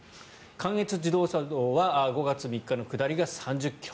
関越自動車道は５月３日の下りが３０ｋｍ。